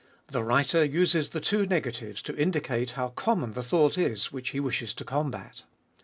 The writer uses the two negatives to indicate how common the thought is which he wishes to combat.